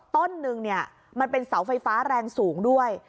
ต้นนึงเนี่ยมันเป็นเสาไฟฟ้าแรงสูงด้วย